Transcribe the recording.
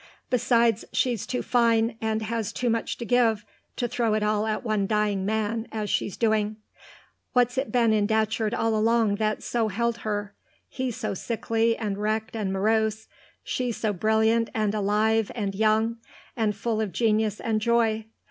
Besides, she's too fine, and has too much to give, to throw it all at one dying man, as she's doing. What's it been in Datcherd all along that's so held her he so sickly and wrecked and morose, she so brilliant and alive and young and full of genius and joy?